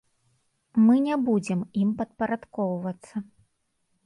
Мы не будзем ім падпарадкоўвацца.